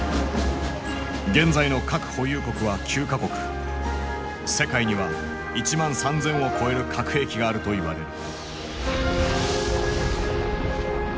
現在の世界には１万３，０００を超える核兵器があると言われる。